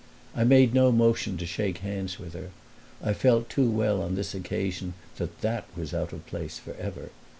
I made no motion to shake hands with her; I felt too well on this occasion that that was out of place forever.